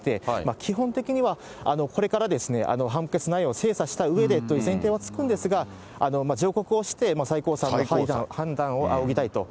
基本的には、これからですね、判決内容を精査したうえでという前提はつくんですが、上告をして、最高裁の判断を仰ぎたいと。